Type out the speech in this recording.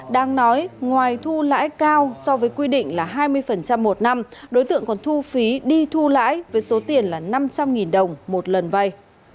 đang nói ngoài thu lãi cao so với quy định là hai mươi một năm đối tượng còn thu phí đi thu lãi với số tiền là năm trăm linh đồng một lần vay